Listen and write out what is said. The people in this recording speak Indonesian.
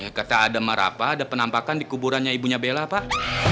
eh kata adam rafa ada penampakan di kuburannya ibunya bella pak